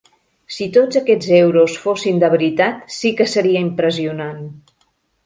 Si tots aquests euros fossin de veritat sí que seria impressionant!